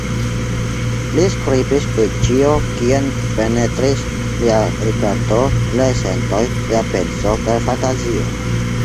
Li skribis pri ĉio, kien penetris lia rigardo, liaj sentoj, lia penso kaj fantazio.